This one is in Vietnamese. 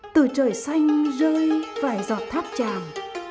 từ trời xanh rơi vài giọt tháp tràng